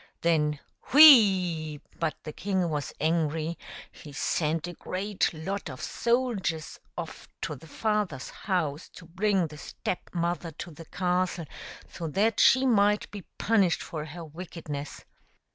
Then, hui ! but the king was angry ! He sent a great lot of soldiers off to the father's house to bring the Step mother to the castle so that she might be punished for her wickedness.